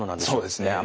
そうですね。